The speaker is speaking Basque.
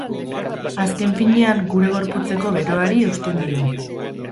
Azken finean, gure gorputzeko beroari eusten dio.